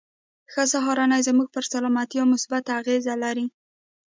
ښه سهارنۍ زموږ پر سلامتيا مثبته اغېزه لري.